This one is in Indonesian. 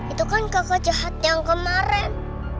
itu kan kakak jahat yang kemarin